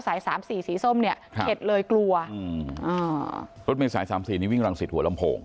สามสี่สีส้มเนี่ยเข็ดเลยกลัวอืมอ่ารถเมษายสามสี่นี่วิ่งรังสิตหัวลำโพง